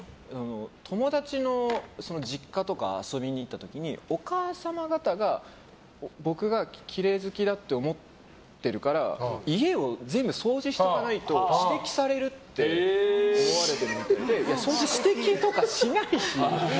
友達の実家とか遊びに行った時にお母様方が僕がきれい好きだと思ってるから家を全部掃除しておかないと指摘されるって思われてるみたいでそんな指摘とかしないし。